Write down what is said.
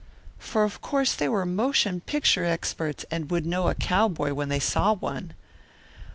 For of course they were motion picture experts and would know a cowboy when they saw one.